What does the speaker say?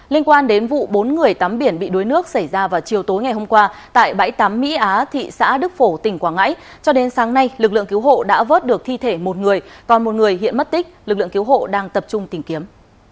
liên quan đến vụ bốn người tắm biển bị đuối nước xảy ra vào chiều tối ngày hôm qua tại bãi tắm mỹ á thị xã đức phổ tỉnh quảng ngãi cho đến sáng nay lực lượng cứu hộ đã vớt được thi thể một người còn một người hiện mất tích lực lượng cứu hộ đang tập trung tìm kiếm